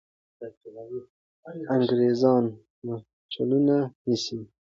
انګریزان مرچلونه نیسي.